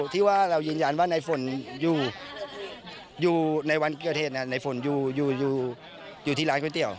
ที่ว่าเรายืนยันว่าในฝนอยู่ในวันเกิดเหตุในฝนอยู่ที่ร้านก๋วเตี๋ย